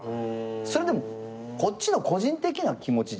それでもこっちの個人的な気持ちじゃない。